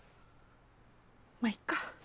まぁいっか。